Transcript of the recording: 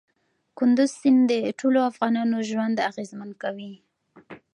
کندز سیند د ټولو افغانانو ژوند اغېزمن کوي.